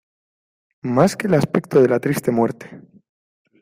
Más que el aspecto de la triste muerte.